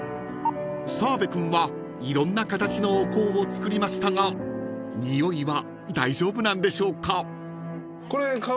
［澤部君はいろんな形のお香を作りましたがにおいは大丈夫なんでしょうか］